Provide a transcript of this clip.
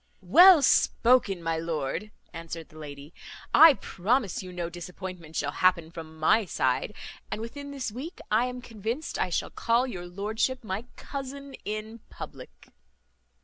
"Well spoken, my lord," answered the lady; "I promise you no disappointment shall happen from my side; and within this week I am convinced I shall call your lordship my cousin in public."